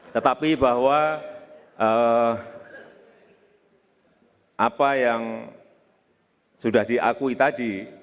tetapi bahwa apa yang sudah diakui tadi